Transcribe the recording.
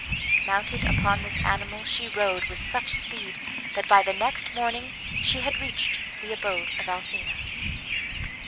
Mounted upon this animal, she rode with such speed that by the next morning she had reached the abode of Alcina.